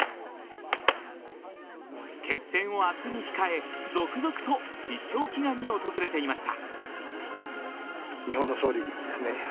決戦を明日に控え続々と必勝祈願に訪れていました。